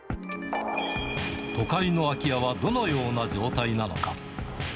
都会の空き家はどのような状態なのか。